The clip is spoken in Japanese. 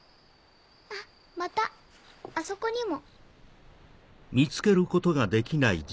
あっまたあそこにも。